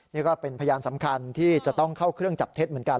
นี่ก็เป็นพยานสำคัญที่จะต้องเข้าเครื่องจับเท็จเหมือนกัน